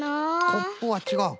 コップはちがう。